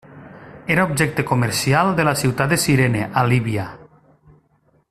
Era objecte comercial de la ciutat de Cirene a Líbia.